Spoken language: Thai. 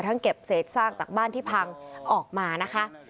เก็บเศษซากจากบ้านที่พังออกมานะคะ